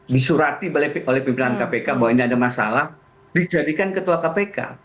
disurati oleh pimpinan kpk bahwa ini ada masalah dijadikan ketua kpk